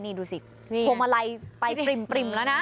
นี่ดูสิโพมะไรไปปริ่มแล้วนะ